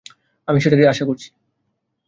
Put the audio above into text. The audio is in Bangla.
আমি সেটারই আশা করছি।